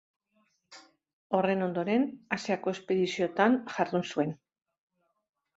Horren ondoren, Asiako espediziotan jardun zuen.